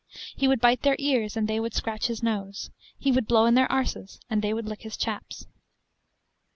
He would bite their ears, and they would scratch his nose he would blow in their arses, and they would lick his chaps.